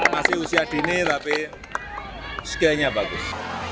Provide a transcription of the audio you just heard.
masih usia dini tapi skillnya bagus